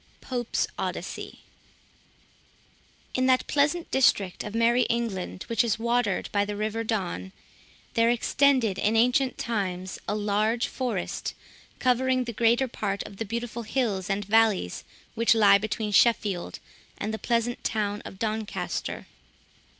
POPE'S ODYSSEY In that pleasant district of merry England which is watered by the river Don, there extended in ancient times a large forest, covering the greater part of the beautiful hills and valleys which lie between Sheffield and the pleasant town of Doncaster.